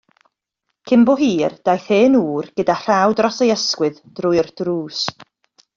Cyn bo hir daeth hen ŵr gyda rhaw dros ei ysgwydd drwy'r drws.